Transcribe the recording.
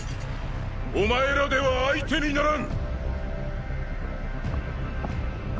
お前らでは相手にならん。